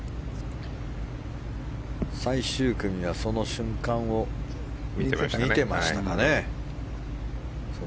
最終組は、その瞬間を見ていましたかね。